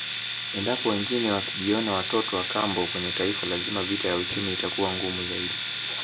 Endapo wengine wakijiona watoto wakambo kwenye Taifa lazima vita ya uchumi itakuwa ngumu zaidi